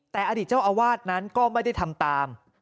แต่อดีตเจ้าอาวาสนั้นก็ไม่ได้ทำตาม